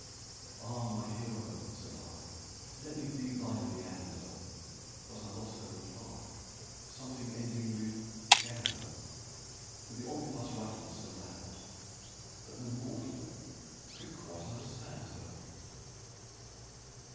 "Ah, my Hero," said I, "Let me be thy Leander!" But I lost her reply Something ending with "gander" For the omnibus rattled so loud that no mortal could quite understand her.